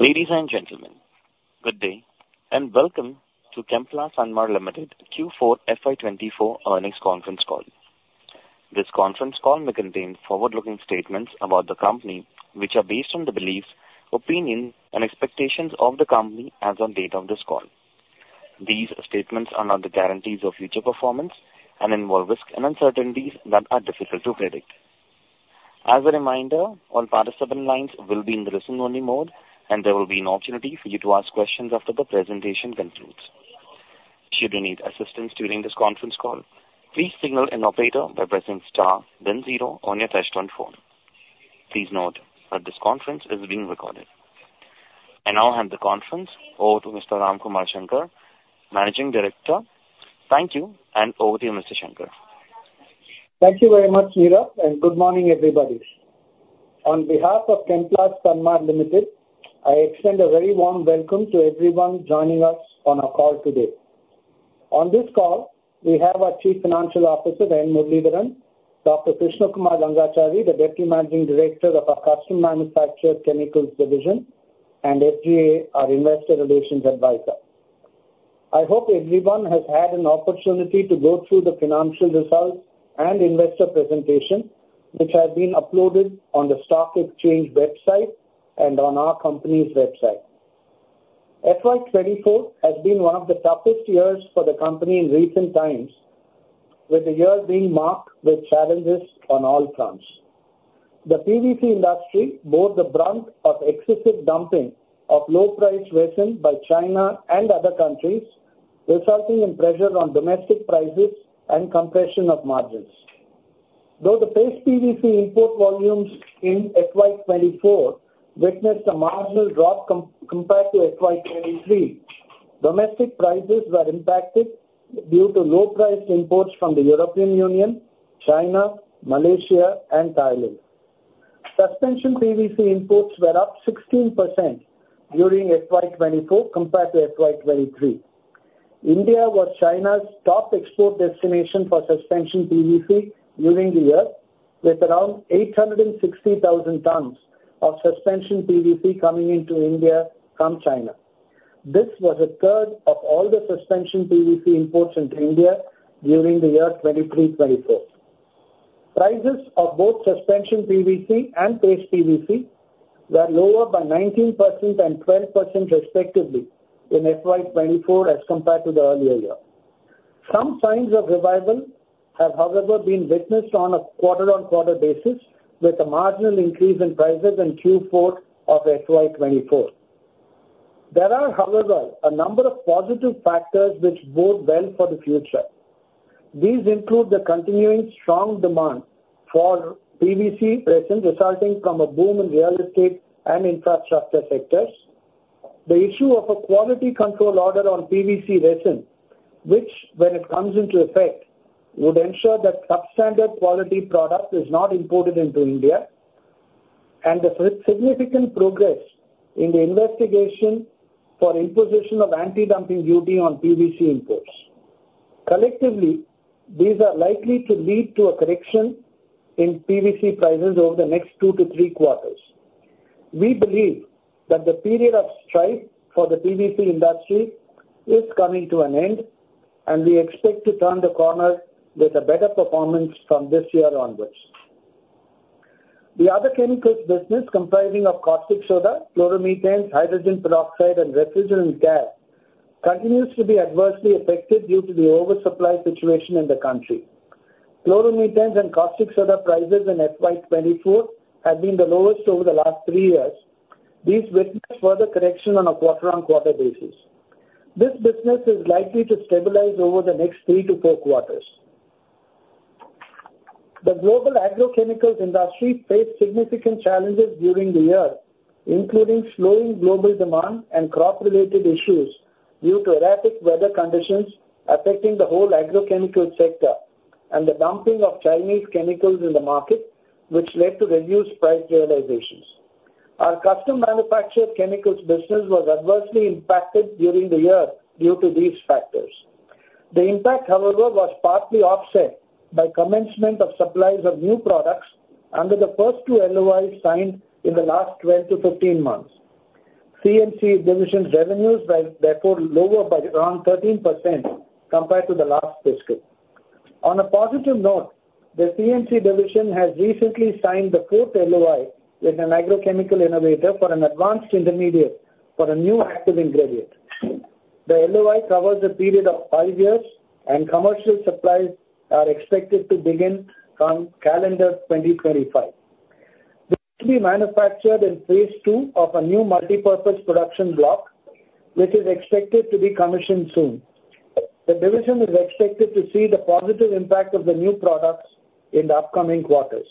Ladies and gentlemen, good day, and welcome to Chemplast Sanmar Limited Q4 FY24 earnings conference call. This conference call may contain forward-looking statements about the company which are based on the beliefs, opinions, and expectations of the company as of the date of this call. These statements are not the guarantees of future performance and involve risks and uncertainties that are difficult to predict. As a reminder, all participant lines will be in the listen-only mode and there will be an opportunity for you to ask questions after the presentation concludes. Should you need assistance during this conference call, please signal an operator by pressing * then 0 on your touch-tone phone. Please note that this conference is being recorded. I now hand the conference over to Mr. Ramkumar Shankar, Managing Director. Thank you, and over to you, Mr. Shankar. Thank you very much, Neerav, and good morning, everybody. On behalf of Chemplast Sanmar Limited, I extend a very warm welcome to everyone joining us on our call today. On this call, we have our Chief Financial Officer, N. Muralidharan, Dr. Krishna Kumar Rangachari, the Deputy Managing Director of our Custom Manufactured Chemicals Division, and SGA, our Investor Relations Advisor. I hope everyone has had an opportunity to go through the financial results and investor presentation which have been uploaded on the Stock Exchange website and on our company's website. FY24 has been one of the toughest years for the company in recent times, with the year being marked with challenges on all fronts. The PVC industry bore the brunt of excessive dumping of low-priced resin by China and other countries, resulting in pressure on domestic prices and compression of margins. Though the Paste PVC import volumes in FY24 witnessed a marginal drop compared to FY23, domestic prices were impacted due to low-priced imports from the European Union, China, Malaysia, and Thailand. Suspension PVC imports were up 16% during FY24 compared to FY23. India was China's top export destination for Suspension PVC during the year, with around 860,000 tons of Suspension PVC coming into India from China. This was a third of all the Suspension PVC imports into India during the year 2023/24. Prices of both Suspension PVC and Paste PVC were lower by 19% and 12% respectively in FY24 as compared to the earlier year. Some signs of revival have, however, been witnessed on a quarter-on-quarter basis, with a marginal increase in prices in Q4 of FY24. There are, however, a number of positive factors which bode well for the future. These include the continuing strong demand for PVC resin resulting from a boom in real estate and infrastructure sectors, the issue of a quality control order on PVC resin which, when it comes into effect, would ensure that up to standard quality product is not imported into India, and the significant progress in the investigation for imposition of anti-dumping duty on PVC imports. Collectively, these are likely to lead to a correction in PVC prices over the next two to three quarters. We believe that the period of strife for the PVC industry is coming to an end, and we expect to turn the corner with a better performance from this year onwards. The other chemicals business comprising caustic soda, chloromethane, hydrogen peroxide, and refrigerant gas continues to be adversely affected due to the oversupply situation in the country. Chloromethane and caustic soda prices in FY24 have been the lowest over the last three years. These witness further correction on a quarter-on-quarter basis. This business is likely to stabilize over the next three to four quarters. The global agrochemicals industry faced significant challenges during the year, including slowing global demand and crop-related issues due to erratic weather conditions affecting the whole agrochemicals sector and the dumping of Chinese chemicals in the market, which led to reduced price realizations. Our custom manufactured chemicals business was adversely impacted during the year due to these factors. The impact, however, was partly offset by commencement of supplies of new products under the first two LOIs signed in the last 12-15 months. Custom Manufactured Chemicals division revenues were, therefore, lower by around 13% compared to the last fiscal. On a positive note, the CMC division has recently signed the fourth LOI with an agrochemical innovator for an advanced intermediate for a new active ingredient. The LOI covers a period of five years, and commercial supplies are expected to begin from calendar 2025. This will be manufactured in phase two of a new multipurpose production block, which is expected to be commissioned soon. The division is expected to see the positive impact of the new products in the upcoming quarters.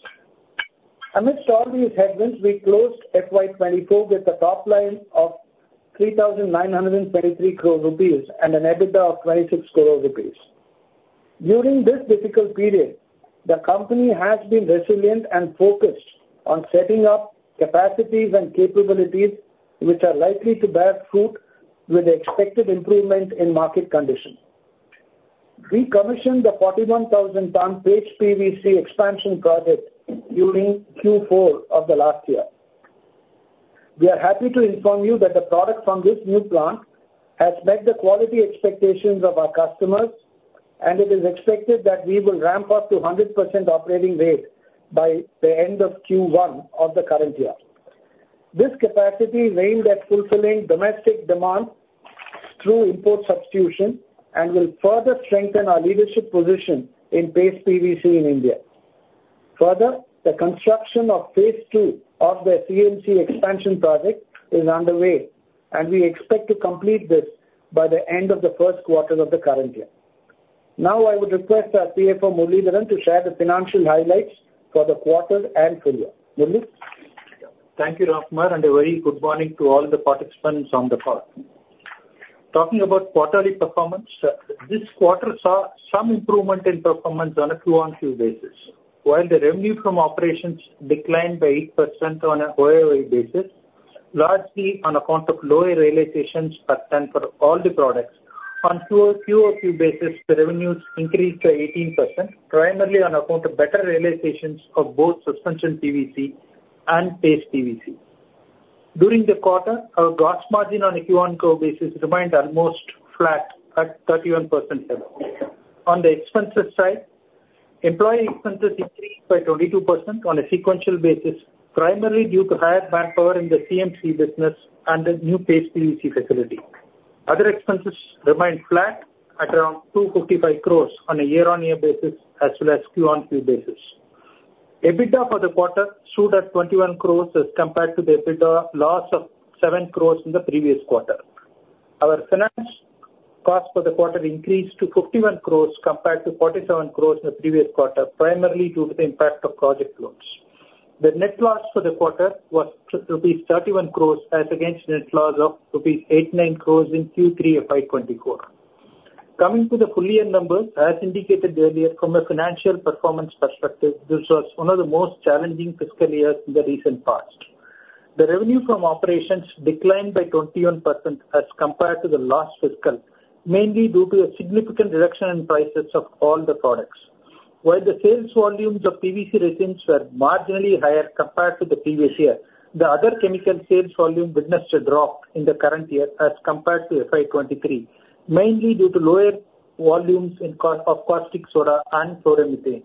Amidst all these headwinds, we closed FY24 with a top line of 3,923 crore rupees and an EBITDA of 26 crore rupees. During this difficult period, the company has been resilient and focused on setting up capacities and capabilities which are likely to bear fruit with the expected improvement in market conditions. We commissioned the 41,000-ton Paste PVC expansion project during Q4 of the last year. We are happy to inform you that the product from this new plant has met the quality expectations of our customers, and it is expected that we will ramp up to 100% operating rate by the end of Q1 of the current year. This capacity aimed at fulfilling domestic demand through import substitution and will further strengthen our leadership position in Paste PVC in India. Further, the construction of phase two of the CMC expansion project is underway, and we expect to complete this by the end of the first quarter of the current year. Now, I would request our CFO, Muralidharan, to share the financial highlights for the quarter and full year. Muralidharan? Thank you, Ramkumar, and a very good morning to all the participants on the call. Talking about quarterly performance, this quarter saw some improvement in performance on a Q-o-Q basis. While the revenue from operations declined by 8% on a year-over-year basis, largely on account of lower realizations per ton for all the products, on a Q-o-Q basis, the revenues increased by 18%, primarily on account of better realizations of both suspension PVC and Paste PVC. During the quarter, our gross margin on a Q-o-Q basis remained almost flat at 31%. On the expenses side, employee expenses increased by 22% on a sequential basis, primarily due to higher manpower in the CMC business and the new Paste PVC facility. Other expenses remained flat at around 255 crore on a year-over-year basis as well as Q-o-Q basis. EBITDA for the quarter stood at 21 crores as compared to the EBITDA loss of 7 crores in the previous quarter. Our finance cost for the quarter increased to 51 crores compared to 47 crores in the previous quarter, primarily due to the impact of project loans. The net loss for the quarter was rupees 31 crores as against net loss of rupees 89 crores in Q3 of FY24. Coming to the full-year numbers, as indicated earlier, from a financial performance perspective, this was one of the most challenging fiscal years in the recent past. The revenue from operations declined by 21% as compared to the last fiscal, mainly due to a significant reduction in prices of all the products. While the sales volumes of PVC resins were marginally higher compared to the previous year, the other chemicals' sales volume witnessed a drop in the current year as compared to FY23, mainly due to lower volumes of caustic soda and chloromethane.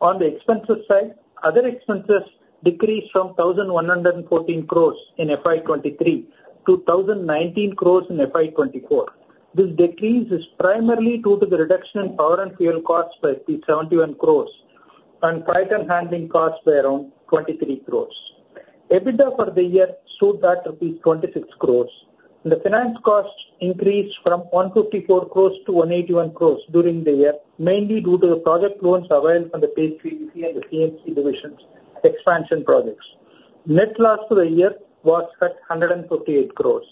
On the expenses side, other expenses decreased from 1,114 crores in FY23 to 1,019 crores in FY24. This decrease is primarily due to the reduction in power and fuel costs by 71 crores and freight and handling costs by around 23 crores. EBITDA for the year stood at rupees 26 crores. The finance cost increased from 154 crores to 181 crores during the year, mainly due to the project loans available from the Paste PVC and the Custom Manufactured Chemicals divisions' expansion projects. Net loss for the year was at 158 crores.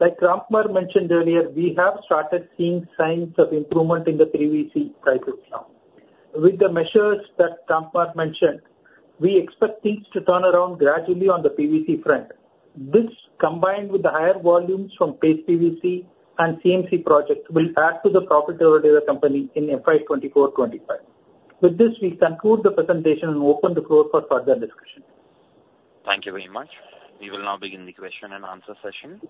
Like Ramkumar mentioned earlier, we have started seeing signs of improvement in the PVC prices now. With the measures that Ramkumar mentioned, we expect things to turn around gradually on the PVC front. This, combined with the higher volumes from Paste PVC and Custom Manufactured Chemicals projects, will add to the profitability of the company in FY24/25. With this, we conclude the presentation and open the floor for further discussion. Thank you very much. We will now begin the question-and-answer session.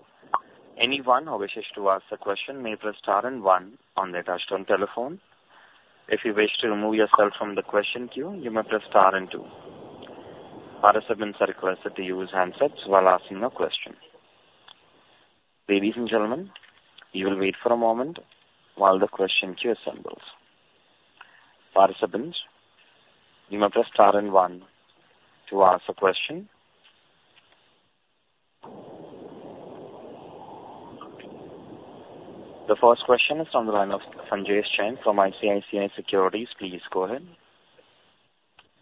Anyone who wishes to ask a question may press *1 on their touch-tone telephone. If you wish to remove yourself from the question queue, you may press *2. Participants are requested to use handsets while asking a question. Ladies and gentlemen, you will wait for a moment while the question queue assembles. Participants, you may press *1 to ask a question. The first question is from the line of Sanjay Jain from ICICI Securities. Please go ahead.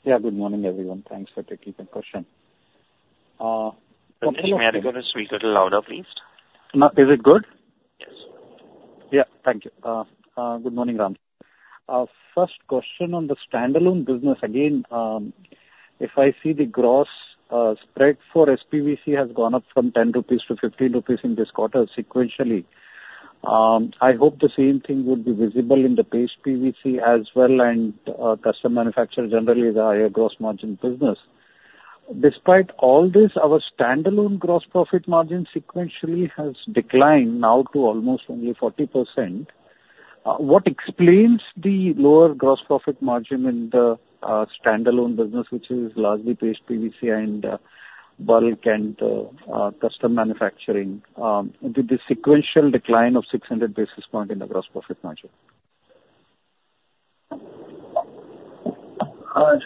Yeah. Good morning, everyone. Thanks for taking the question. Yes. May I request to speak a little louder, please? Is it good? Yes. Yeah. Thank you. Good morning, Ramkumar. First question on the standalone business. Again, if I see the gross spread for SPVC has gone up from 10 rupees to 15 rupees in this quarter sequentially. I hope the same thing would be visible in the Paste PVC as well, and custom manufacturers generally have a higher gross margin business. Despite all this, our standalone gross profit margin sequentially has declined now to almost only 40%. What explains the lower gross profit margin in the standalone business, which is largely Paste PVC and bulk and custom manufacturing, with the sequential decline of 600 basis points in the gross profit margin?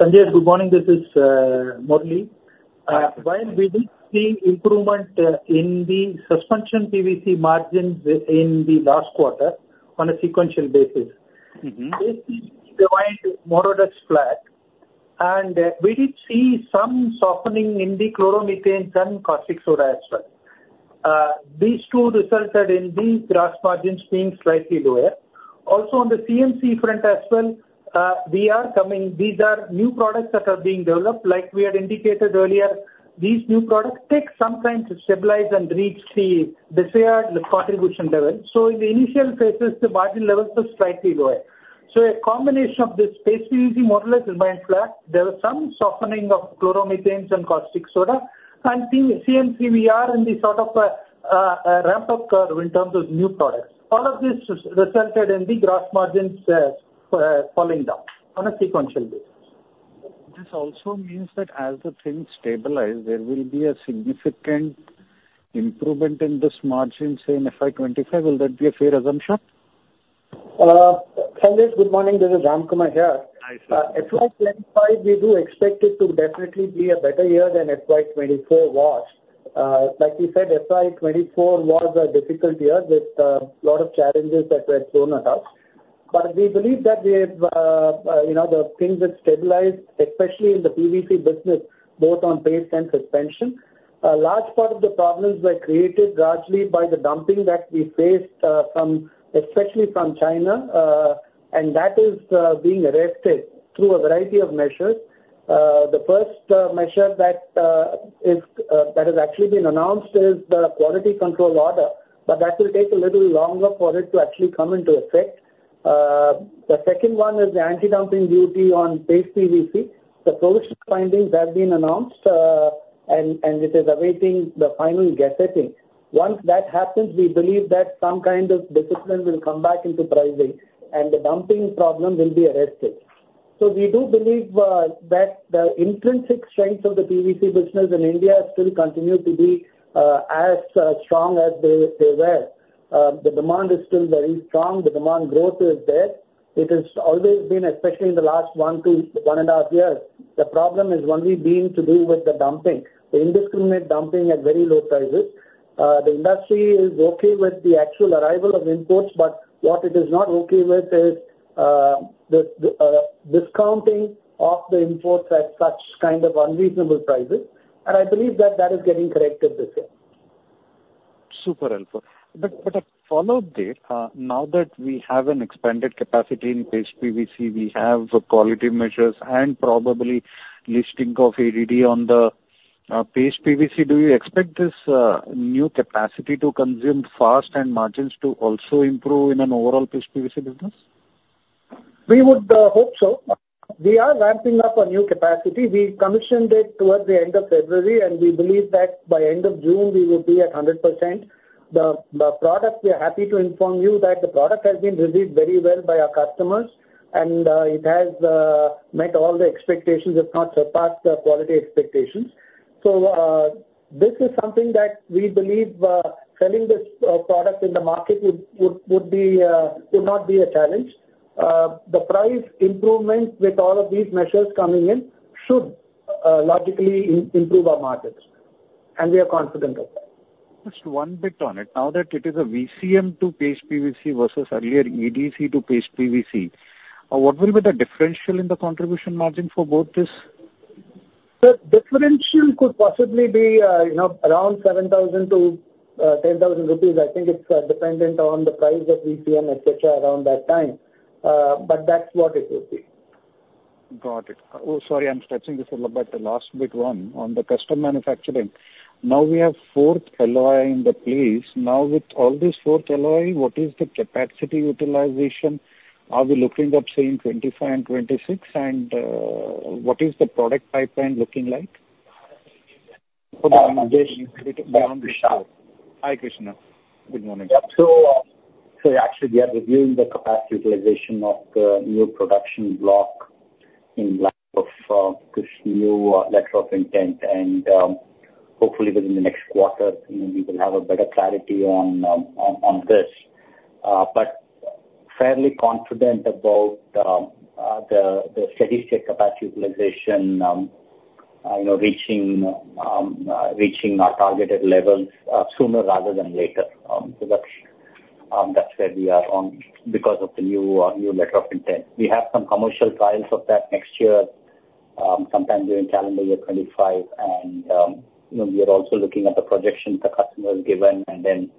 Sanjay, good morning. This is N. Muralidharan. While we did see improvement in the Suspension PVC margins in the last quarter on a sequential basis, Paste PVC remained more or less flat, and we did see some softening in the chloromethane and caustic soda as well. These two resulted in the gross margins being slightly lower. Also, on the CMC front as well, these are new products that are being developed. Like we had indicated earlier, these new products take some time to stabilize and reach the desired contribution level. So in the initial phases, the margin levels were slightly lower. So a combination of this Paste PVC more or less remained flat. There was some softening of chloromethane and caustic soda, and CMC, we are in this sort of a ramp-up curve in terms of new products. All of this resulted in the gross margins falling down on a sequential basis. This also means that as the things stabilize, there will be a significant improvement in this margin, say, in FY25. Will that be a fair assumption? Sanjay, good morning. This is Ramkumar here. Hi, Sanjay. FY25, we do expect it to definitely be a better year than FY24 was. Like we said, FY24 was a difficult year with a lot of challenges that were thrown at us. But we believe that the things that stabilized, especially in the PVC business, both on Paste and Suspension, a large part of the problems were created largely by the dumping that we faced, especially from China, and that is being arrested through a variety of measures. The first measure that has actually been announced is the Quality Control Order, but that will take a little longer for it to actually come into effect. The second one is the Anti-Dumping Duty on Paste PVC. The provisional findings have been announced, and it is awaiting the final gazette setting. Once that happens, we believe that some kind of discipline will come back into pricing, and the dumping problem will be arrested. We do believe that the intrinsic strength of the PVC business in India still continues to be as strong as they were. The demand is still very strong. The demand growth is there. It has always been, especially in the last 1 to 1.5 years, the problem is only being to do with the dumping, the indiscriminate dumping at very low prices. The industry is okay with the actual arrival of imports, but what it is not okay with is the discounting of the imports at such kind of unreasonable prices. I believe that that is getting corrected this year. Super helpful. But a follow-up there. Now that we have an expanded capacity in Paste PVC, we have quality measures and probably listing of ADD on the Paste PVC, do you expect this new capacity to consume fast and margins to also improve in an overall Paste PVC business? We would hope so. We are ramping up a new capacity. We commissioned it towards the end of February, and we believe that by end of June, we would be at 100%. We are happy to inform you that the product has been received very well by our customers, and it has met all the expectations, if not surpassed the quality expectations. So this is something that we believe selling this product in the market would not be a challenge. The price improvement with all of these measures coming in should logically improve our markets, and we are confident of that. Just one bit on it. Now that it is a VCM to Paste PVC versus earlier EDC to Paste PVC, what will be the differential in the contribution margin for both this? The differential could possibly be around 7,000-10,000 rupees. I think it's dependent on the price of VCM, etc., around that time. But that's what it would be. Got it. Oh, sorry. I'm stretching this a little bit. The last bit one, on the custom manufacturing. Now we have fourth LOI in the place. Now with all this fourth LOI, what is the capacity utilization? Are we looking up, say, in 2025 and 2026, and what is the product pipeline looking like beyond this year? Hi, Krishna. Good morning. Yeah. So actually, we are reviewing the capacity utilization of the new production block in light of this new letter of intent. And hopefully, within the next quarter, we will have a better clarity on this. But fairly confident about the steady state capacity utilization reaching our targeted levels sooner rather than later. So that's where we are because of the new letter of intent. We have some commercial trials of that next year, sometime during calendar year 2025. And we are also looking at the projections the customer is given and then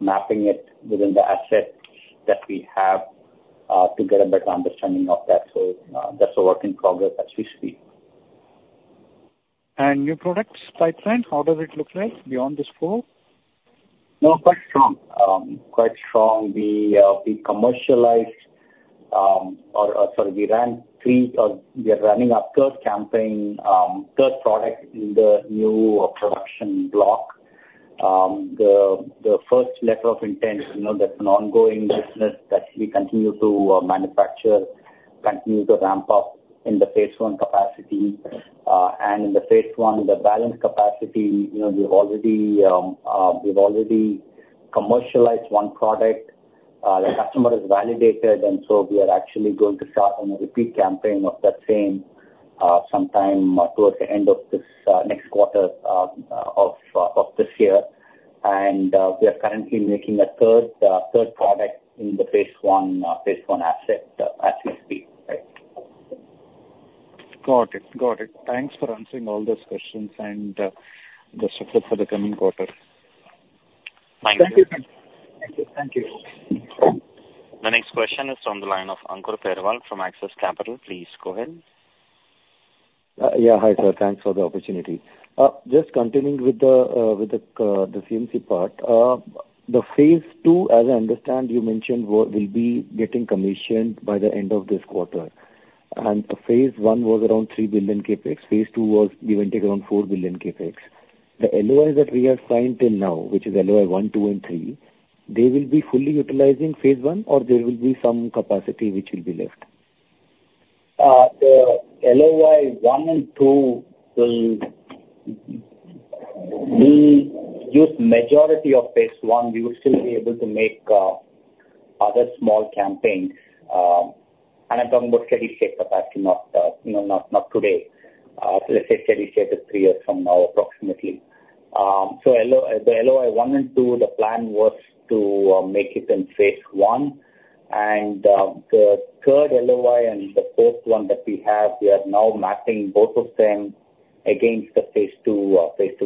mapping it within the assets that we have to get a better understanding of that. So that's a work in progress as we speak. Your product pipeline, how does it look like beyond this fall? No, quite strong. Quite strong. We commercialized—or sorry, we ran three or we are running our third campaign, third product in the new production block. The first letter of intent, that's an ongoing business that we continue to manufacture, continue to ramp up in the phase one capacity. And in the phase one, the balanced capacity, we've already commercialized one product. The customer has validated, and so we are actually going to start on a repeat campaign of that same sometime towards the end of this next quarter of this year. And we are currently making a third product in the phase one asset as we speak, right? Got it. Got it. Thanks for answering all those questions and just looking for the coming quarter. Thank you. Thank you. Thank you. Thank you. The next question is from the line of Ankur Periwal from Axis Capital. Please go ahead. Yeah. Hi, sir. Thanks for the opportunity. Just continuing with the CMC part, the phase two, as I understand, you mentioned will be getting commissioned by the end of this quarter. The phase one was around 3 billion Capex. Phase two was given to around 4 billion Capex. The LOIs that we have signed till now, which is LOI one, two, and three, they will be fully utilizing phase one, or there will be some capacity which will be left? The LOI 1 and 2 will use the majority of phase one. We will still be able to make other small campaigns. I'm talking about steady state capacity, not today. Let's say steady state is 3 years from now approximately. The LOI 1 and 2, the plan was to make it in phase one. The 3rd LOI and the 4th one that we have, we are now mapping both of them against the phase two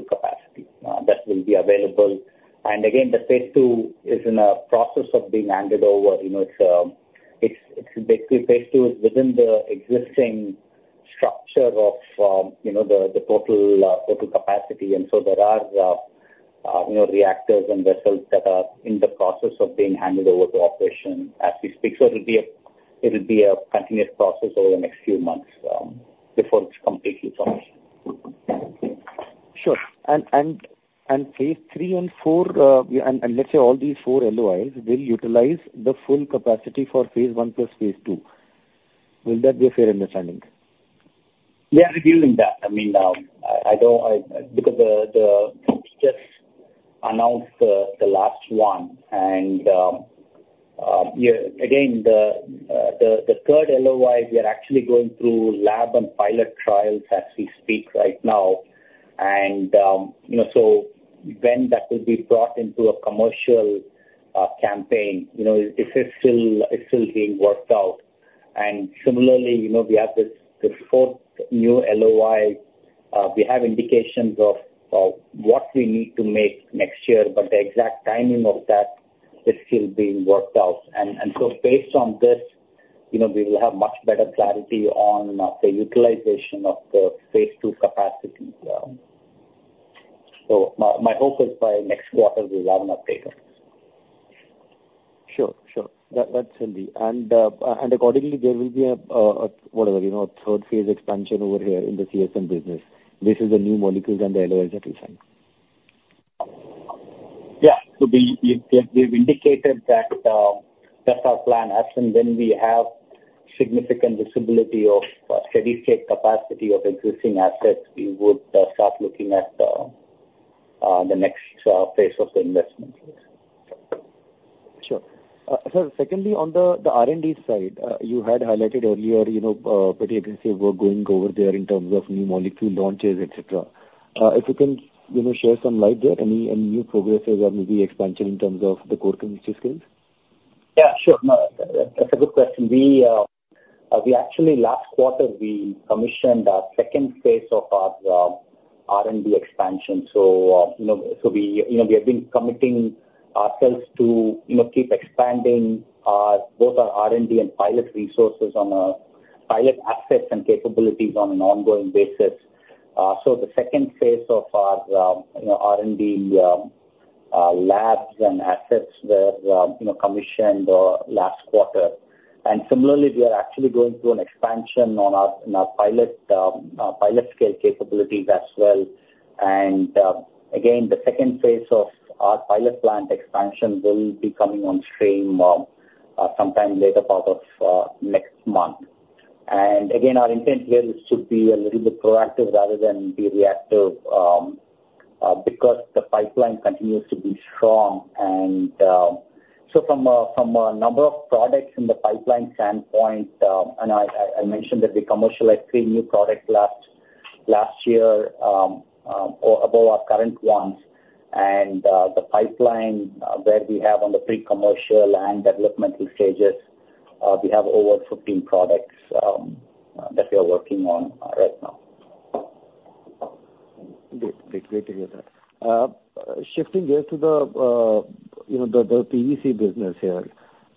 capacity that will be available. Again, the phase two is in a process of being handed over. It's basically phase two is within the existing structure of the total capacity. So there are reactors and vessels that are in the process of being handed over to operation as we speak. It will be a continuous process over the next few months before it's completely finished. Sure. Phase three and four, and let's say all these four LOIs will utilize the full capacity for phase one plus phase two. Will that be a fair understanding? We are reviewing that. I mean, because we just announced the last one. Again, the third LOI, we are actually going through lab and pilot trials as we speak right now. So when that will be brought into a commercial campaign, it's still being worked out. Similarly, we have this fourth new LOI. We have indications of what we need to make next year, but the exact timing of that is still being worked out. So based on this, we will have much better clarity on the utilization of the phase two capacity. My hope is by next quarter, we will have an update on this. Sure. Sure. That's healthy. And accordingly, there will be a, whatever, third phase expansion over here in the CSM business based on the new molecules and the LOIs that we sign. Yeah. We have indicated that that's our plan. As soon as we have significant visibility of steady state capacity of existing assets, we would start looking at the next phase of the investment. Sure. Sir, secondly, on the R&D side, you had highlighted earlier pretty aggressive work going over there in terms of new molecule launches, etc. If you can share some light there, any new progresses or maybe expansion in terms of the core chemistry skills? Yeah. Sure. That's a good question. Last quarter, we commissioned our second phase of our R&D expansion. We have been committing ourselves to keep expanding both our R&D and pilot resources on pilot assets and capabilities on an ongoing basis. The second phase of our R&D labs and assets were commissioned last quarter. And similarly, we are actually going through an expansion in our pilot-scale capabilities as well. And again, the second phase of our pilot plant expansion will be coming on stream sometime later part of next month. And again, our intent here is to be a little bit proactive rather than be reactive because the pipeline continues to be strong. And so from a number of products in the pipeline standpoint, I mentioned that we commercialized three new products last year above our current ones. The pipeline that we have on the pre-commercial and developmental stages, we have over 15 products that we are working on right now. Great to hear that. Shifting here to the PVC business here,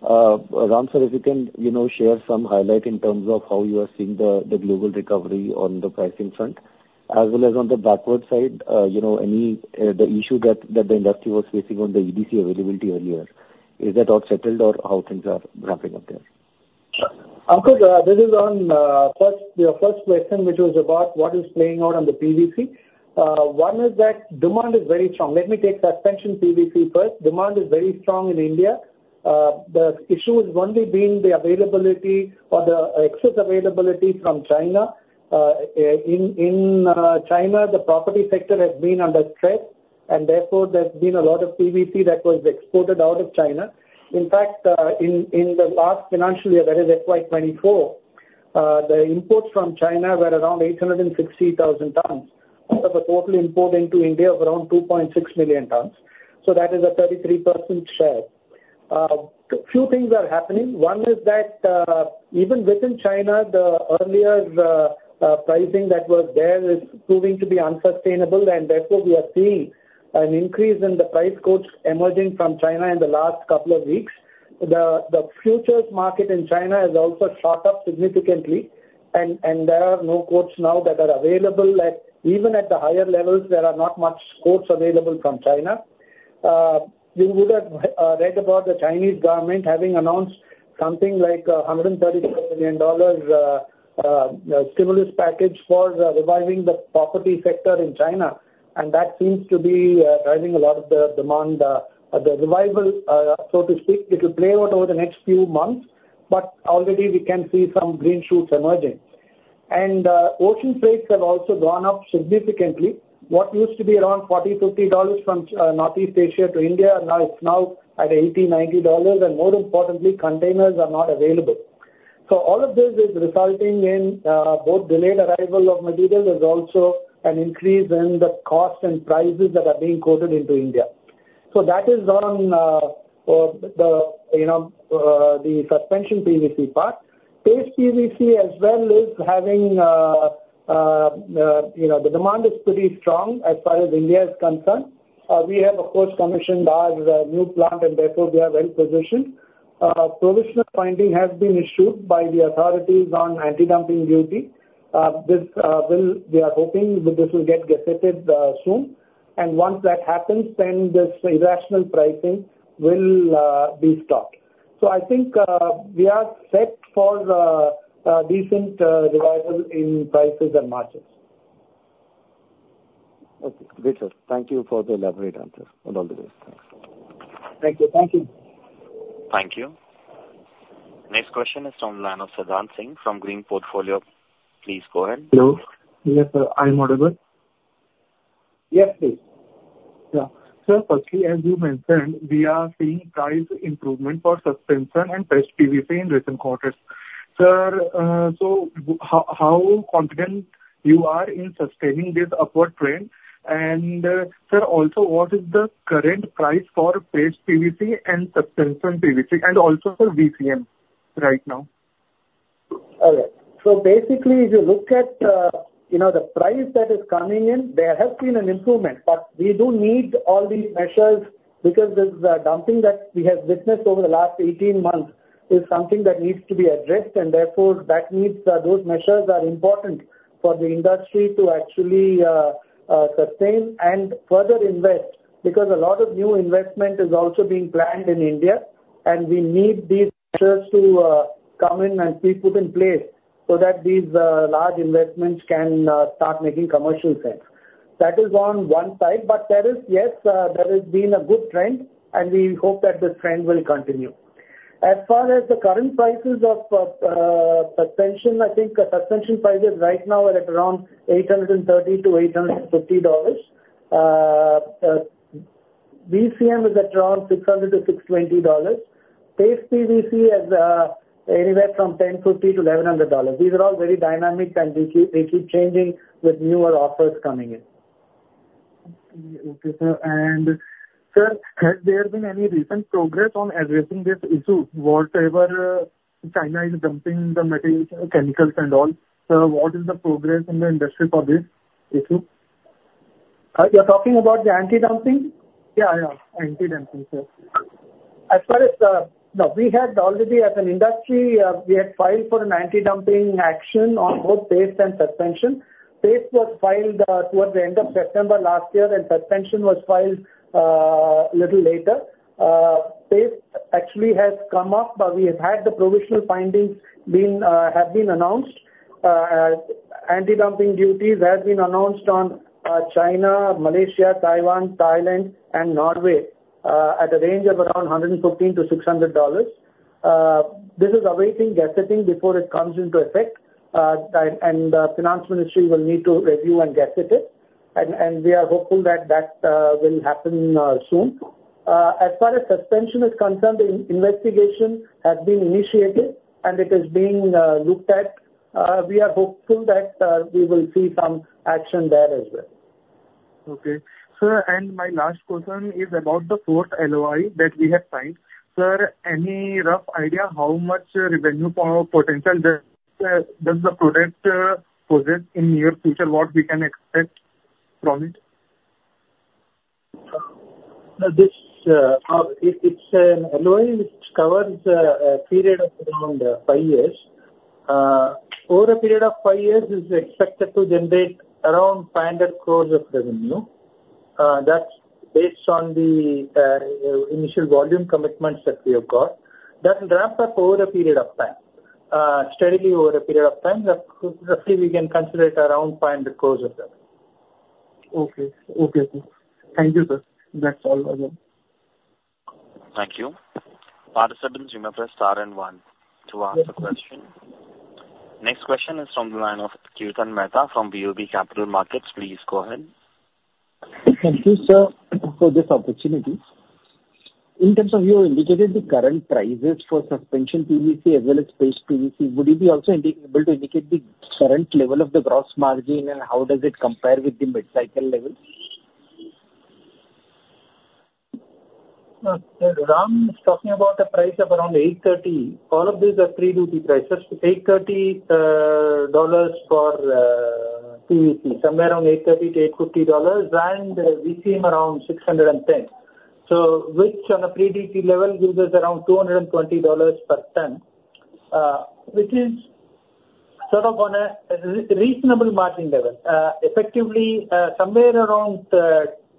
Ramkumar, if you can share some highlight in terms of how you are seeing the global recovery on the pricing front as well as on the backward side, the issue that the industry was facing on the EDC availability earlier. Is that all settled, or how things are ramping up there? Ankur, this is on your first question, which was about what is playing out on the PVC. One is that demand is very strong. Let me take suspension PVC first. Demand is very strong in India. The issue has only been the availability or the excess availability from China. In China, the property sector has been under stress, and therefore, there's been a lot of PVC that was exported out of China. In fact, in the last financial year, that is FY24, the imports from China were around 860,000 tons, out of a total import into India of around 2.6 million tons. So that is a 33% share. A few things are happening. One is that even within China, the earlier pricing that was there is proving to be unsustainable. And therefore, we are seeing an increase in the price quotes emerging from China in the last couple of weeks. The futures market in China has also shot up significantly, and there are no quotes now that are available. Even at the higher levels, there are not much quotes available from China. You would have read about the Chinese government having announced something like a $134 million stimulus package for reviving the property sector in China. That seems to be driving a lot of the demand. The revival, so to speak, it will play out over the next few months, but already, we can see some green shoots emerging. Ocean freights have also gone up significantly. What used to be around $40-$50 from Northeast Asia to India, now it's at $80-$90. More importantly, containers are not available. So all of this is resulting in both delayed arrival of materials, as also an increase in the cost and prices that are being quoted into India. So that is on the Suspension PVC part. Paste PVC as well is having the demand is pretty strong as far as India is concerned. We have, of course, commissioned our new plant, and therefore, we are well positioned. Provisional finding has been issued by the authorities on anti-dumping duty. We are hoping that this will get gazetted soon. And once that happens, then this irrational pricing will be stopped. So I think we are set for a decent revival in prices and margins. Okay. Great, sir. Thank you for the elaborate answer. All the best. Thanks. Thank you. Thank you. Thank you. Next question is from Sanesh Sadanand Singh from Green Portfolio. Please go ahead. Hello. Yes, sir. I'm audible. Yes, please. Yeah. Sir, firstly, as you mentioned, we are seeing price improvement for suspension and Paste PVC in recent quarters. Sir, so how confident you are in sustaining this upward trend? And sir, also, what is the current price for Paste PVC and suspension PVC and also for VCM right now? All right. So basically, if you look at the price that is coming in, there has been an improvement. But we do need all these measures because this dumping that we have witnessed over the last 18 months is something that needs to be addressed. And therefore, those measures are important for the industry to actually sustain and further invest because a lot of new investment is also being planned in India. And we need these measures to come in and be put in place so that these large investments can start making commercial sense. That is on one side. But yes, there has been a good trend, and we hope that this trend will continue. As far as the current prices of suspension, I think suspension prices right now are at around $830-$850. VCM is at around $600-$620. Paste PVC is anywhere from $1,050-$1,100. These are all very dynamic, and they keep changing with newer offers coming in. Okay, sir. Sir, has there been any recent progress on addressing this issue, whatever China is dumping the chemicals and all? Sir, what is the progress in the industry for this issue? You're talking about the anti-dumping? Yeah. Yeah. Anti-dumping, sir. As far as now, we had already as an industry, we had filed for an anti-dumping action on both paste and suspension. Paste was filed towards the end of September last year, and suspension was filed a little later. Paste actually has come up, but we have had the provisional findings have been announced. Anti-dumping duties have been announced on China, Malaysia, Taiwan, Thailand, and Norway at a range of around $115-$600. This is awaiting gazetting before it comes into effect. And the Finance Ministry will need to review and gazette it. And we are hopeful that that will happen soon. As far as suspension is concerned, the investigation has been initiated, and it is being looked at. We are hopeful that we will see some action there as well. Okay. Sir, and my last question is about the fourth LOI that we have signed. Sir, any rough idea how much revenue potential does the product possess in the near future? What we can expect from it? Now, it's an LOI which covers a period of around five years. Over a period of five years, it is expected to generate around 500 crores of revenue. That's based on the initial volume commitments that we have got. That will ramp up over a period of time, steadily over a period of time. Roughly, we can consider it around 500 crores of revenue. Okay. Okay. Thank you, sir. That's all. Thank you. Participants are in line to answer questions. Next question is from the line of Kirtan Mehta from BOB Capital Markets. Please go ahead. Thank you, sir, for this opportunity. In terms of your indicated the current prices for suspension PVC as well as Paste PVC, would you be also able to indicate the current level of the gross margin, and how does it compare with the mid-cycle level? Sir, Ram, he's talking about a price of around $830. All of these are pre-duty prices. $830 for PVC, somewhere around $830-$850, and VCM around $610. So which on a pre-duty level gives us around $220 per ton, which is sort of on a reasonable margin level. Effectively, somewhere around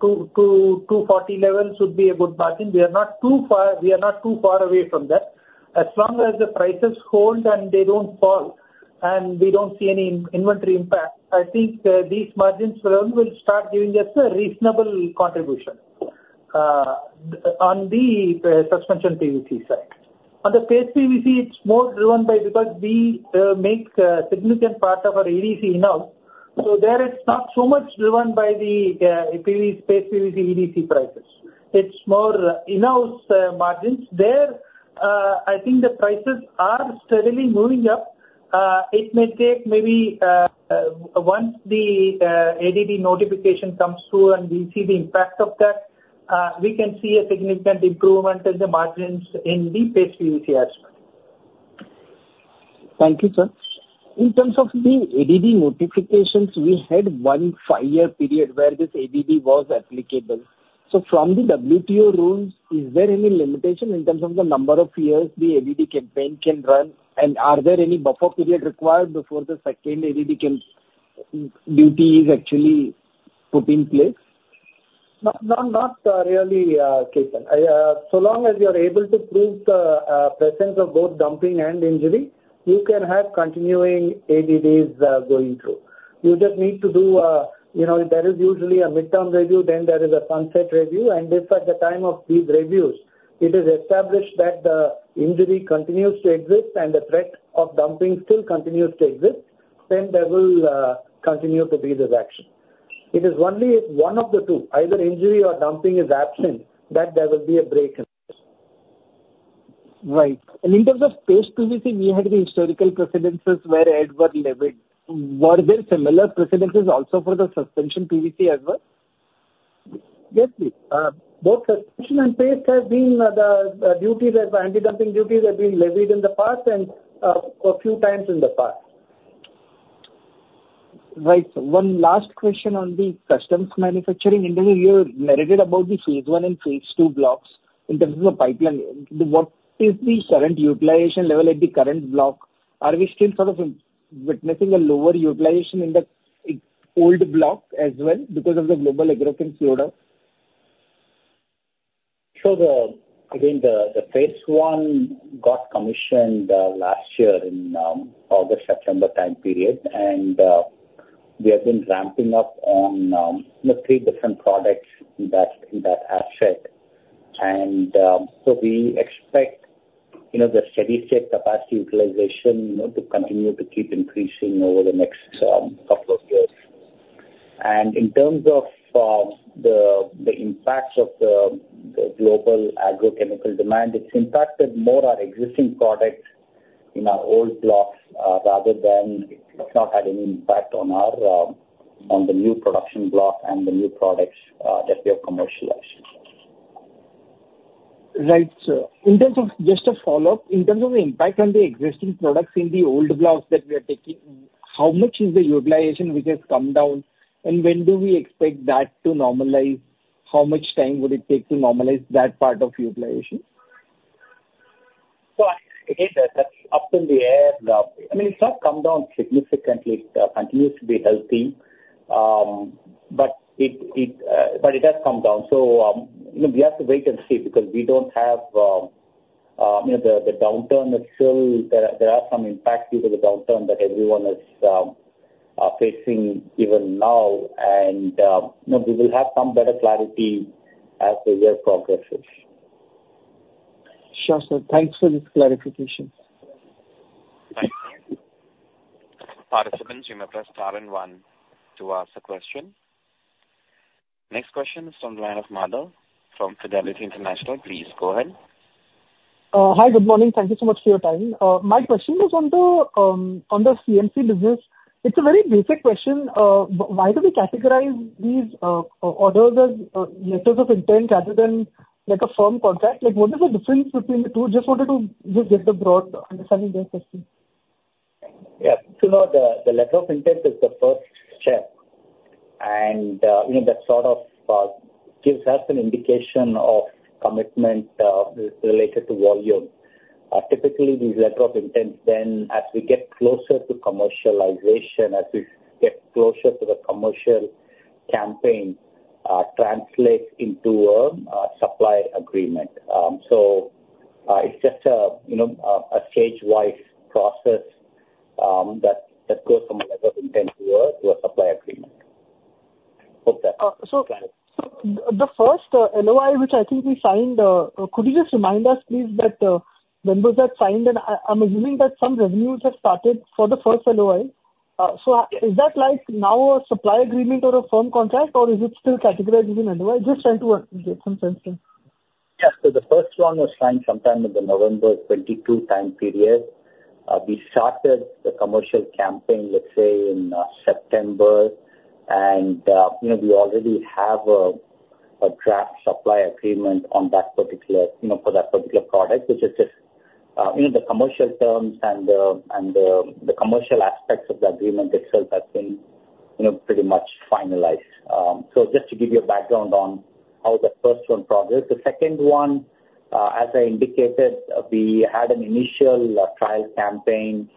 $240 level should be a good margin. We are not too far we are not too far away from that. As long as the prices hold and they don't fall, and we don't see any inventory impact, I think these margins will start giving us a reasonable contribution on the suspension PVC side. On the Paste PVC, it's more driven by because we make a significant part of our EDC in-house. So there, it's not so much driven by the Paste PVC EDC prices. It's more in-house margins. There, I think the prices are steadily moving up. It may take maybe once the ADD notification comes through and we see the impact of that, we can see a significant improvement in the margins in the Paste PVC aspect. Thank you, sir. In terms of the ADD notifications, we had one five-year period where this ADD was applicable. So from the WTO rules, is there any limitation in terms of the number of years the ADD campaign can run? And are there any buffer period required before the second ADD duty is actually put in place? Not really, Kirtan. So long as you are able to prove the presence of both dumping and injury, you can have continuing ADDs going through. You just need to do. There is usually a midterm review. Then there is a sunset review. And if at the time of these reviews, it is established that the injury continues to exist and the threat of dumping still continues to exist, then there will continue to be this action. It is only if one of the two, either injury or dumping, is absent that there will be a break in this. Right. And in terms of Paste PVC, we had the historical precedents where it was levied. Were there similar precedents also for the Suspension PVC as well? Yes, please. Both suspension and paste have had the anti-dumping duties levied in the past and a few times in the past. Right. One last question on the custom manufacturing. In the new year, you narrated about the phase one and phase two blocks in terms of the pipeline. What is the current utilization level at the current block? Are we still sort of witnessing a lower utilization in the old block as well because of the global agrochemical loadup? Sure. Again, the phase one got commissioned last year in August-September time period, and we have been ramping up on three different products in that asset. And so we expect the steady state capacity utilization to continue to keep increasing over the next couple of years. And in terms of the impact of the global agrochemical demand, it's impacted more our existing products in our old blocks rather than it's not had any impact on the new production block and the new products that we have commercialized. Right, sir. Just a follow-up. In terms of the impact on the existing products in the old blocks that we are taking, how much is the utilization which has come down? And when do we expect that to normalize? How much time would it take to normalize that part of utilization? So again, that's up in the air. I mean, it's not come down significantly. It continues to be healthy, but it has come down. We have to wait and see because we don't have the downturn is still there, there are some impacts due to the downturn that everyone is facing even now. We will have some better clarity as the year progresses. Sure, sir. Thanks for this clarification. Thank you. Participants are in line to answer questions. Next question is from the line of Madhav from Fidelity International. Please go ahead. Hi. Good morning. Thank you so much for your time. My question was on the CMC business. It's a very basic question. Why do we categorize these orders as letters of intent rather than a firm contract? What is the difference between the two? Just wanted to just get the broad understanding of your question. Yeah. So now, the letter of intent is the first step. And that sort of gives us an indication of commitment related to volume. Typically, these letters of intent then, as we get closer to commercialization, as we get closer to the commercial campaign, translate into a supply agreement. So it's just a stage-wise process that goes from a letter of intent to a supply agreement. Hope that's clear. So the first LOI, which I think we signed, could you just remind us, please, that when was that signed? And I'm assuming that some revenues have started for the first LOI. So is that now a supply agreement or a firm contract, or is it still categorized as an LOI? Just trying to get some sense there. Yeah. So the first one was signed sometime in the November 2022 time period. We started the commercial campaign, let's say, in September. And we already have a draft supply agreement for that particular product, which is just the commercial terms and the commercial aspects of the agreement itself have been pretty much finalized. So just to give you a background on how the first one progressed, the second one, as I indicated, we had an initial trial campaign.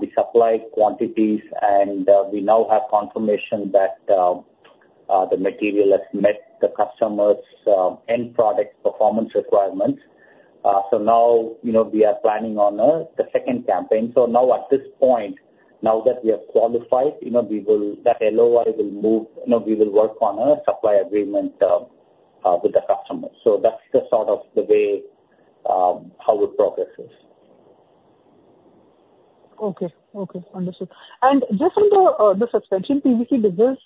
We supplied quantities, and we now have confirmation that the material has met the customer's end product performance requirements. So now, we are planning on the second campaign. So now, at this point, now that we have qualified, that LOI will move we will work on a supply agreement with the customer. So that's the sort of the way how it progresses. Okay. Okay. Understood. And just from the Suspension PVC business,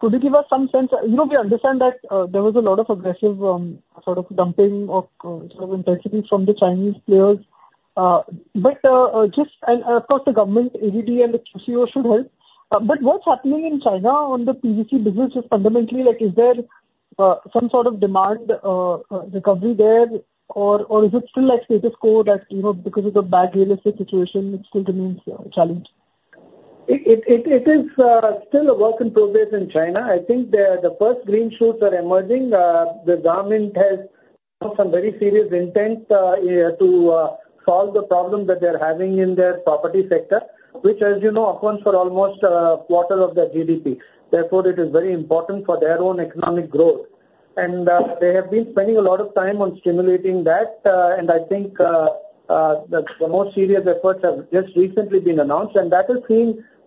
could you give us some sense? We understand that there was a lot of aggressive sort of dumping or sort of intensity from the Chinese players. And of course, the government ADD and the QCO should help. But what's happening in China on the PVC business just fundamentally? Is there some sort of demand recovery there, or is it still status quo that because of the bad real estate situation, it still remains challenged? It is still a work in progress in China. I think the first green shoots are emerging. The government has some very serious intent to solve the problem that they're having in their property sector, which, as you know, accounts for almost a quarter of their GDP. Therefore, it is very important for their own economic growth. They have been spending a lot of time on stimulating that. I think the most serious efforts have just recently been announced. That has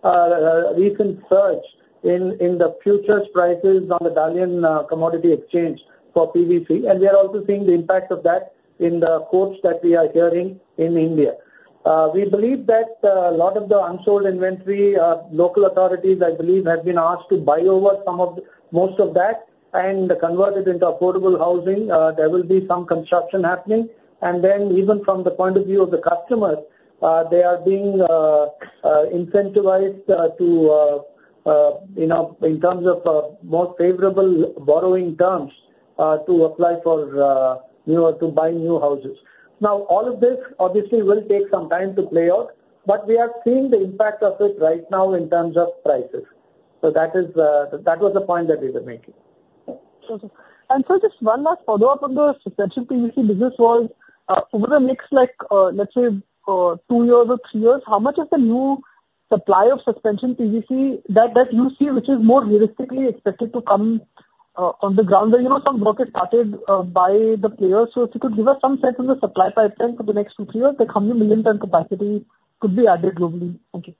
seen a recent surge in the futures prices on the Dalian Commodity Exchange for PVC. We are also seeing the impact of that in the quotes that we are hearing in India. We believe that a lot of the unsold inventory, local authorities, I believe, have been asked to buy over some of most of that and convert it into affordable housing. There will be some construction happening. Then even from the point of view of the customers, they are being incentivized to, in terms of more favorable borrowing terms, to apply for new or to buy new houses. Now, all of this, obviously, will take some time to play out, but we are seeing the impact of it right now in terms of prices. That was the point that we were making. Okay. Sir, just one last follow-up on the Suspension PVC business was over the next, let's say, two years or three years, how much of the new supply of Suspension PVC that you see, which is more realistically expected to come on the ground? Some work has started by the players. If you could give us some sense on the supply pipeline for the next two, three years, the cumulative million-ton capacity could be added globally. Thank you.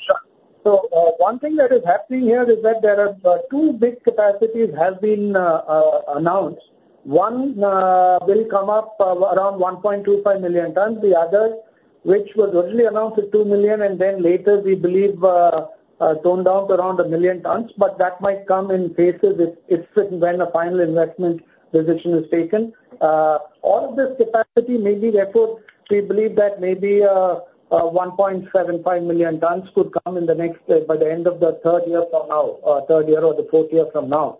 Sure. So one thing that is happening here is that there are two big capacities have been announced. One will come up around 1.25 million tons. The other, which was originally announced at 2 million, and then later, we believe, toned down to around a million tons. But that might come in phases if and when a final investment decision is taken. All of this capacity may be therefore, we believe that maybe 1.75 million tons could come in the next by the end of the third year from now, third year or the fourth year from now.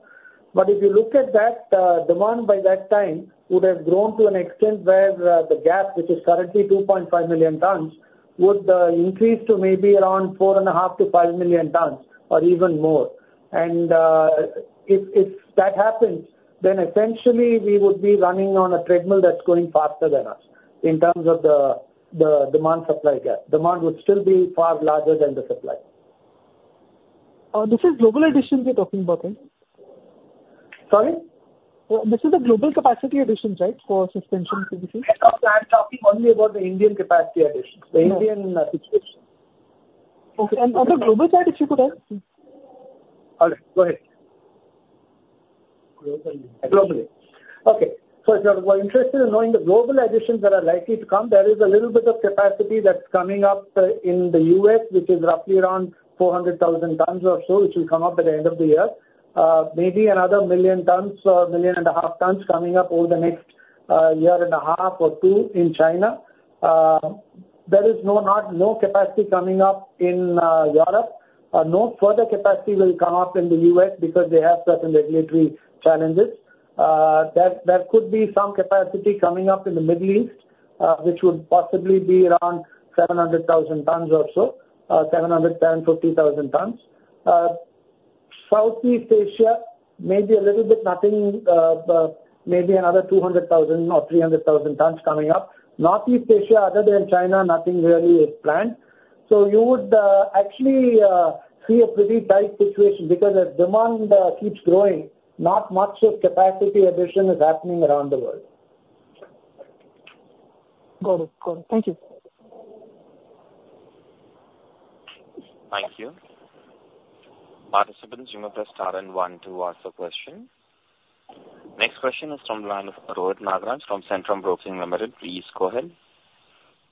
But if you look at that, demand by that time would have grown to an extent where the gap, which is currently 2.5 million tons, would increase to maybe around 4.5-5 million tons or even more. If that happens, then essentially, we would be running on a treadmill that's going faster than us in terms of the demand-supply gap. Demand would still be far larger than the supply. This is global additions you're talking about, right? Sorry? This is the global capacity additions, right, for Suspension PVC? No, no. I'm talking only about the Indian capacity additions, the Indian situation. Okay. On the global side, if you could ask? All right. Go ahead. Globally. Okay. So if you're interested in knowing the global additions that are likely to come, there is a little bit of capacity that's coming up in the US, which is roughly around 400,000 tons or so, which will come up at the end of the year. Maybe another 1 million tons or 1.5 million tons coming up over the next year and a half or two in China. There is no capacity coming up in Europe. No further capacity will come up in the US because they have certain regulatory challenges. There could be some capacity coming up in the Middle East, which would possibly be around 700,000 tons or so, 750,000 tons. Southeast Asia, maybe a little bit, nothing, maybe another 200,000 or 300,000 tons coming up. Northeast Asia, other than China, nothing really is planned. So you would actually see a pretty tight situation because as demand keeps growing, not much of capacity addition is happening around the world. Got it. Got it. Thank you. Thank you. Participants, you may press are in line to answer questions. Next question is from the line of Rohit Nagraj from Centrum Broking Limited. Please go ahead.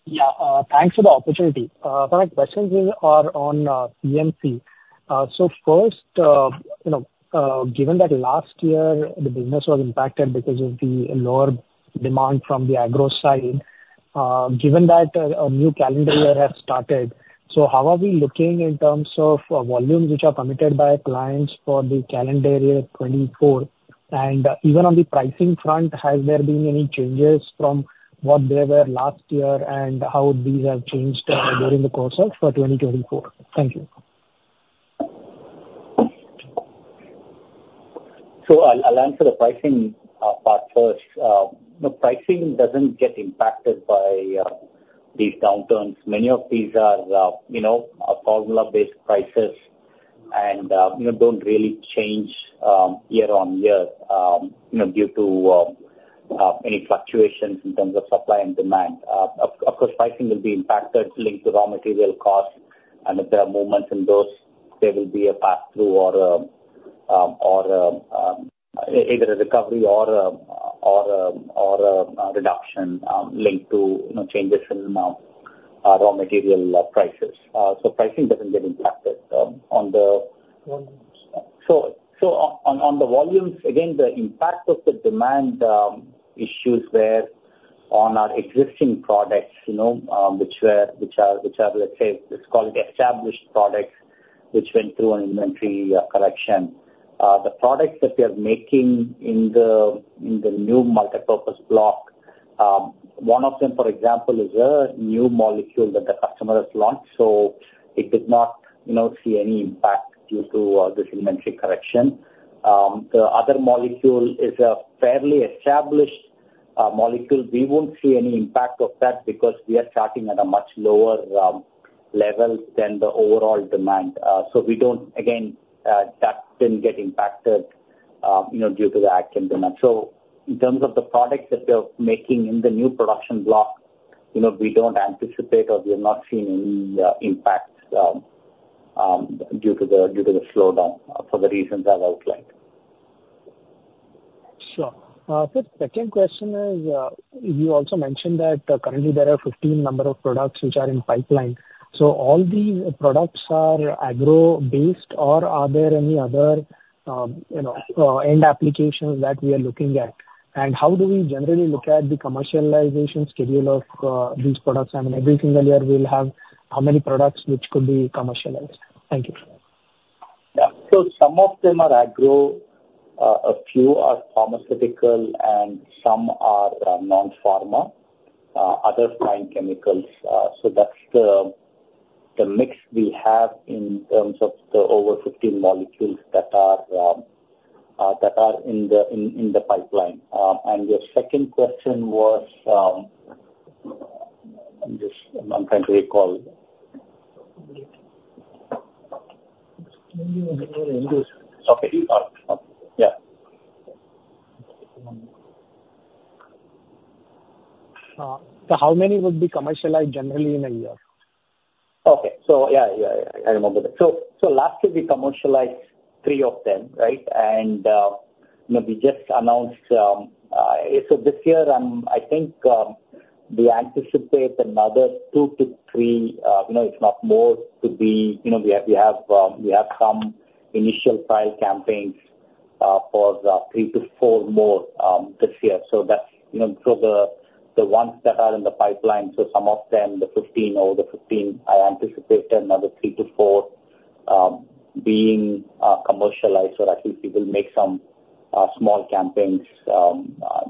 Yeah. Thanks for the opportunity. My questions are on CMC. So first, given that last year, the business was impacted because of the lower demand from the agro side, given that a new calendar year has started, so how are we looking in terms of volumes, which are committed by clients for the calendar year 2024? And even on the pricing front, has there been any changes from what there were last year and how these have changed during the course of 2024? Thank you. So I'll answer the pricing part first. Pricing doesn't get impacted by these downturns. Many of these are formula-based prices and don't really change year on year due to any fluctuations in terms of supply and demand. Of course, pricing will be impacted linked to raw material costs. And if there are movements in those, there will be a pass-through or either a recovery or a reduction linked to changes in raw material prices. So pricing doesn't get impacted. So on the volumes, again, the impact of the demand issues there on our existing products, which are, let's say, let's call it established products, which went through an inventory correction, the products that we are making in the new multipurpose block, one of them, for example, is a new molecule that the customer has launched. So it did not see any impact due to this inventory correction. The other molecule is a fairly established molecule. We won't see any impact of that because we are starting at a much lower level than the overall demand. So again, that didn't get impacted due to the active demand. So in terms of the products that we are making in the new production block, we don't anticipate or we have not seen any impacts due to the slowdown for the reasons I've outlined. Sure. Sir, second question is you also mentioned that currently, there are 15 number of products which are in pipeline. So all these products are agro-based, or are there any other end applications that we are looking at? And how do we generally look at the commercialization schedule of these products? I mean, every single year, we'll have how many products which could be commercialized? Thank you. Yeah. So some of them are agro. A few are pharmaceutical, and some are non-pharma, other fine chemicals. So that's the mix we have in terms of the over 15 molecules that are in the pipeline. And your second question was, I'm trying to recall. Okay. Okay. Yeah. So how many would be commercialized generally in a year? Okay. So yeah, yeah, yeah. I remember that. So last year, we commercialized three of them, right? And we just announced so this year, I think we anticipate another 2-3, if not more, to be we have some initial trial campaigns for 3-4 more this year. So for the ones that are in the pipeline, so some of them, the 15, I anticipate another 3-4 being commercialized or at least we will make some small campaigns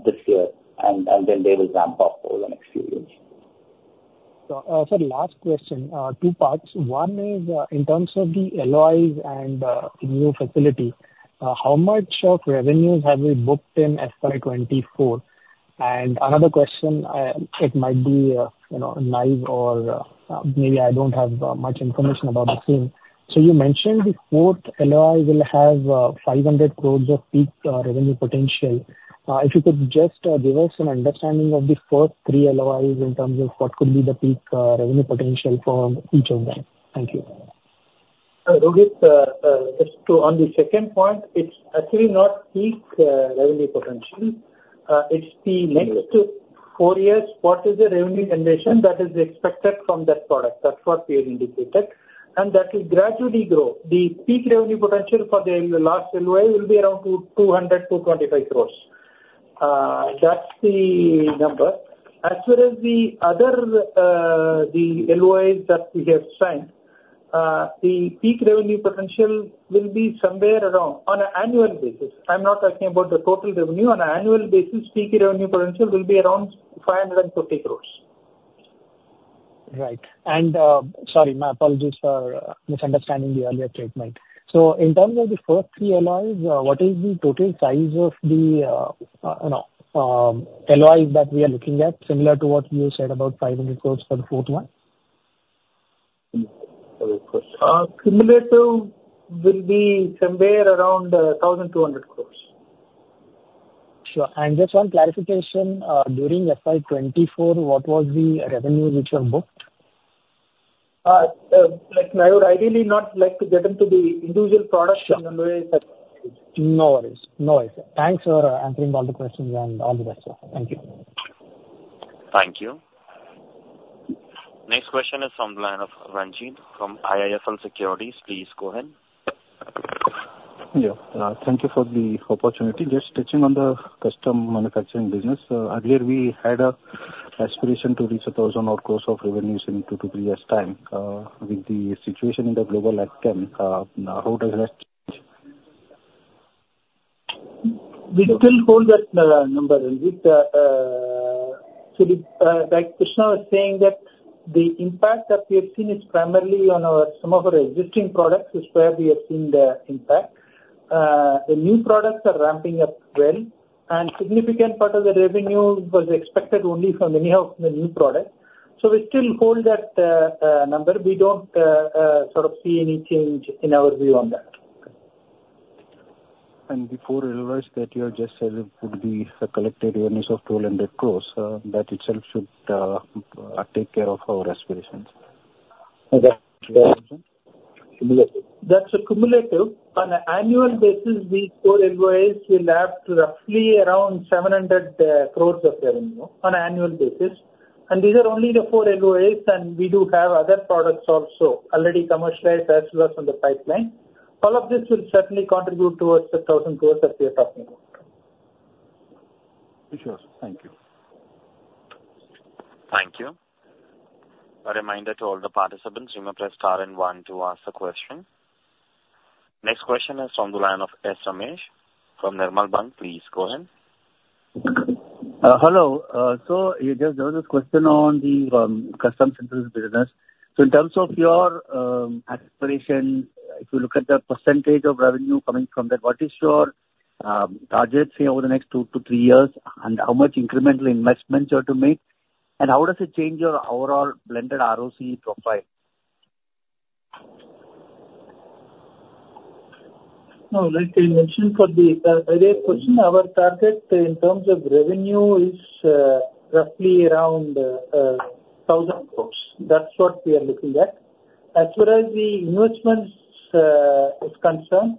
this year, and then they will ramp up over the next few years. Sir, last question, two parts. One is in terms of the LOIs and the new facility, how much of revenues have we booked in FY24? And another question, it might be naive, or maybe I don't have much information about the same. So you mentioned the fourth LOI will have 500 crore of peak revenue potential. If you could just give us an understanding of the first three LOIs in terms of what could be the peak revenue potential for each of them. Thank you. Rohit, just on the second point, it's actually not peak revenue potential. It's the next four years, what is the revenue generation that is expected from that product? That's what we had indicated, and that will gradually grow. The peak revenue potential for the last LOI will be around 200 crore-25 crore. That's the number. As far as the other LOIs that we have signed, the peak revenue potential will be somewhere around on an annual basis. I'm not talking about the total revenue. On an annual basis, peak revenue potential will be around 550 crore. Right. Sorry, my apologies for misunderstanding the earlier statement. In terms of the first three LOIs, what is the total size of the LOIs that we are looking at similar to what you said about 500 crore for the fourth one? Cumulative will be somewhere around 1,200 crores. Sure. Just one clarification, during FY 2024, what was the revenues which were booked? No, I really would not like to get into the individual products and LOIs that. No worries. No worries. Thanks for answering all the questions and all the rest of it. Thank you. Thank you. Next question is from the line of Ranjit from IIFL Securities. Please go ahead. Yeah. Thank you for the opportunity. Just touching on the custom manufacturing business, earlier, we had an aspiration to reach 1,000 or close of revenues in 2-3 years' time. With the situation in the global agchem, how does that change? We still hold that number, Ranjit. Actually, like Krishna was saying, that the impact that we have seen is primarily on some of our existing products is where we have seen the impact. The new products are ramping up well, and significant part of the revenue was expected only from any of the new products. So we still hold that number. We don't sort of see any change in our view on that. The four LOIs that you have just said would be a collected revenue of INR 1,200 crore, that itself should take care of our aspirations. That's accurate. That's cumulative. On an annual basis, these four LOIs will have roughly around 700 crores of revenue on an annual basis. And these are only the four LOIs, and we do have other products also already commercialized as well as on the pipeline. All of this will certainly contribute towards the 1,000 crores that we are talking about. Sure. Thank you. Thank you. A reminder to all the participants, you may press star one to be in line to ask the question. Next question is from the line of S. Ramesh from Nirmal Bang. Please go ahead. Hello. So there was this question on the custom synthesis business. So in terms of your aspiration, if you look at the percentage of revenue coming from that, what is your target, say, over the next two to three years, and how much incremental investments you have to make? And how does it change your overall blended ROC profile? No. Like I mentioned for the earlier question, our target in terms of revenue is roughly around 1,000 crore. That's what we are looking at. As far as the investments are concerned,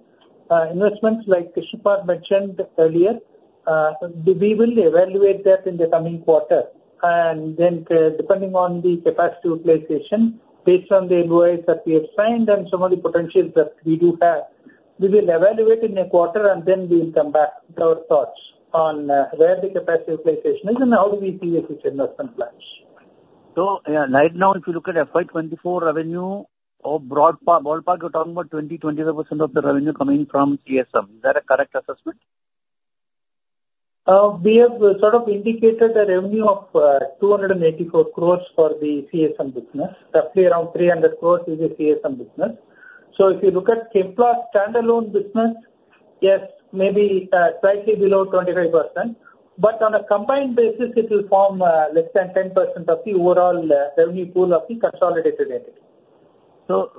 investments like Krishna mentioned earlier, we will evaluate that in the coming quarter. And then depending on the capacity utilization, based on the LOIs that we have signed and some of the potentials that we do have, we will evaluate in a quarter, and then we will come back with our thoughts on where the capacity utilization is and how do we see this as investment plans. Right now, if you look at FY 2024 revenue or ballpark, you're talking about 20%-25% of the revenue coming from CSM. Is that a correct assessment? We have sort of indicated a revenue of 284 crores for the CSM business. Roughly around 300 crores is the CSM business. So if you look at Chemplast standalone business, yes, maybe slightly below 25%. But on a combined basis, it will form less than 10% of the overall revenue pool of the consolidated entity. So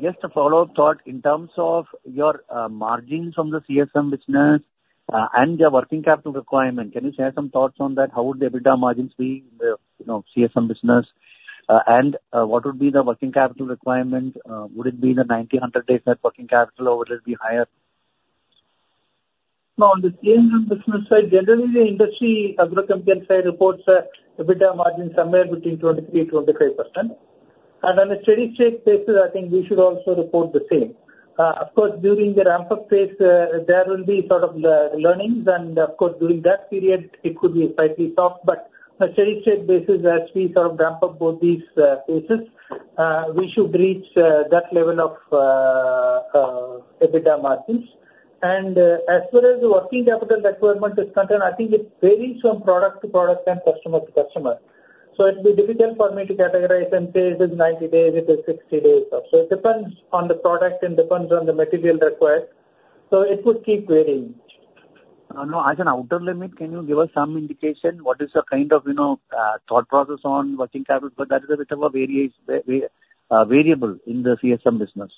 just a follow-up thought in terms of your margins from the CSM business and your working capital requirement, can you share some thoughts on that? How would the EBITDA margins be in the CSM business, and what would be the working capital requirement? Would it be the 90-100-day net working capital, or will it be higher? No. On the CSM business side, generally, the industry, agrochemicals side, reports EBITDA margin somewhere between 23%-25%. On a steady-state basis, I think we should also report the same. Of course, during the ramp-up phase, there will be sort of learnings. And of course, during that period, it could be slightly soft. But on a steady-state basis, as we sort of ramp up both these phases, we should reach that level of EBITDA margins. And as far as the working capital requirement is concerned, I think it varies from product to product and customer to customer. So it will be difficult for me to categorize and say, "It is 90 days. It is 60 days." So it depends on the product and depends on the material required. So it would keep varying. No. As an outer limit, can you give us some indication? What is your kind of thought process on working capital? Because that is a bit of a variable in the CSM business.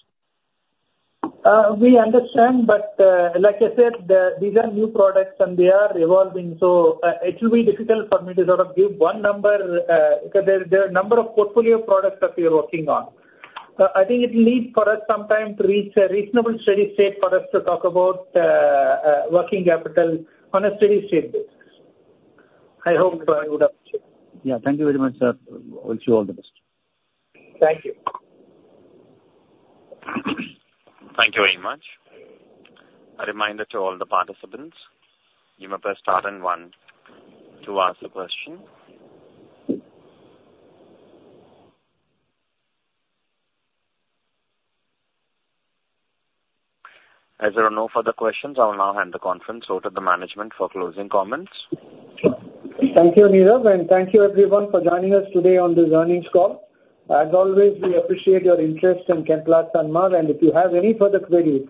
We understand. But like I said, these are new products, and they are evolving. So it will be difficult for me to sort of give one number because there are a number of portfolio products that we are working on. I think it will need for us some time to reach a reasonable steady-state for us to talk about working capital on a steady-state basis. I hope I would appreciate it. Yeah. Thank you very much, sir. I wish you all the best. Thank you. Thank you very much. A reminder to all the participants, to ask a question, press star one. As there are no further questions, I will now hand the conference over to the management for closing comments. Thank you, Neerav, and thank you, everyone, for joining us today on this earnings call. As always, we appreciate your interest in Chemplast Sanmar. And if you have any further queries,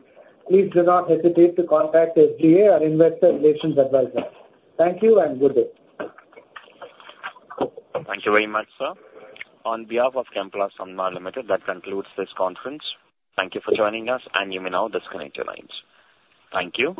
please do not hesitate to contact SGA, our investor relations advisor. Thank you, and good day. Thank you very much, sir. On behalf of Chemplast Sanmar Limited, that concludes this conference. Thank you for joining us, and you may now disconnect your lines. Thank you.